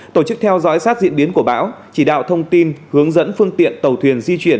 tổ chức theo dõi sát diễn biến của bão chỉ đạo thông tin hướng dẫn phương tiện tàu thuyền di chuyển